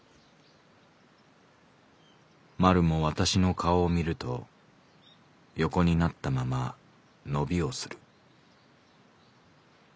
「まるも私の顔を見ると横になったまま伸びをする」。